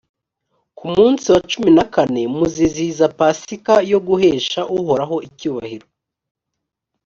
ku munsi wa cumi na kane muzizihiza pasika yo guhesha uhoraho icyubahiro.